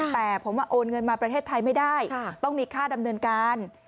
แต่ผมว่าโอนเงินมาประเทศไทยไม่ได้ต้องมีค่าดำเนินการ